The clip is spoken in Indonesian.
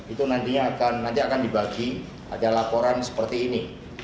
itu nantinya akan dibagi ada laporan seperti ini